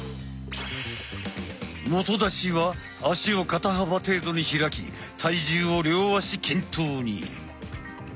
基立ちは足を肩幅程度に開き体重を両足均等に！